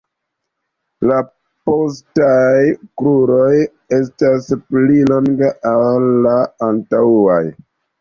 La postaj kruroj estas pli longaj ol la antaŭaj.